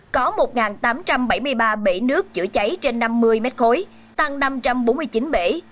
có một tám trăm bảy mươi ba bể nước chữa cháy trên năm mươi mét khối tăng năm trăm bốn mươi chín bể